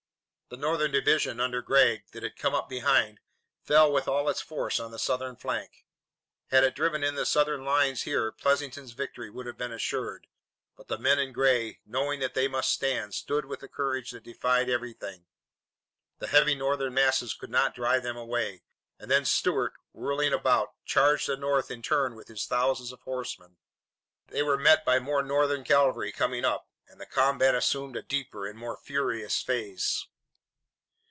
The Northern division, under Gregg, that had come up behind, fell with all its force on the Southern flank. Had it driven in the Southern lines here, Pleasanton's victory would have been assured, but the men in gray, knowing that they must stand, stood with a courage that defied everything. The heavy Northern masses could not drive them away, and then Stuart, whirling about, charged the North in turn with his thousands of horsemen. They were met by more Northern cavalry coming up, and the combat assumed a deeper and more furious phase.